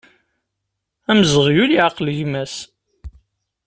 Amzeɣyul yeɛqel gma-s.